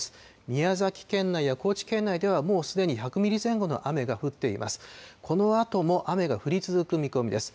宮崎県内や高知県内では、もうすでに１００ミリ前後の雨が降っています。